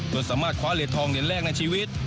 โดยสามารถคว้าเหลือทองเดือนแรกในชีวิต